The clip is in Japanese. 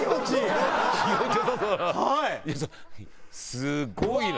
すごいな。